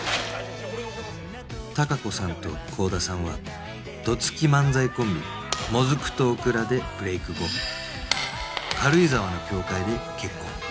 高子さんと幸田さんはどつき漫才コンビもずくとオクラでブレーク後軽井沢の教会で結婚